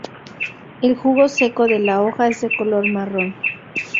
El jugo seco de la hoja es de color marrón.